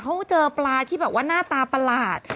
เขาเจอปลาที่น่าตาประหลาด